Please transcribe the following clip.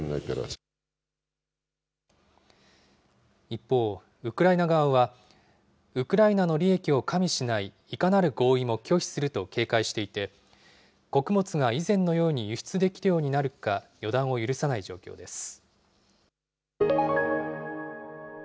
一方、ウクライナ側は、ウクライナの利益を加味しないいかなる合意も拒否すると警戒していて、穀物が以前のように輸出できるようになるか、予断を許さない状況です。